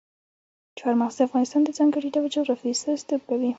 چار مغز د افغانستان د ځانګړي ډول جغرافیه استازیتوب کوي.